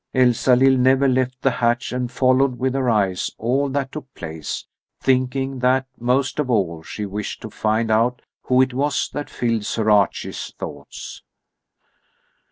Elsalill never left the hatch and followed with her eyes all that took place, thinking that most of all she wished to find out who it was that filled Sir Archie's thoughts.